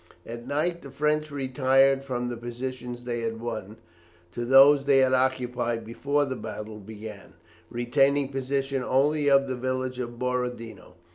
At night the French retired from the positions they had won, to those they had occupied before the battle begun, retaining possession only of the village of Borodino.